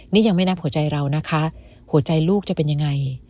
นี่ยังไม่นับหัวใจเรานะคะหัวใจลูกจะเป็นยังไง